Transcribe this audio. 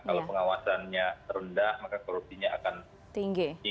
kalau pengawasannya rendah maka korupsinya akan tinggi